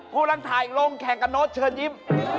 อ่อพูดแล้วถ่ายลงแข่งกับโน๊ตเชิญยิ้ม